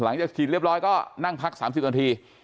หลังจากกินเรียบร้อยก็นั่งพัก๓๐นาที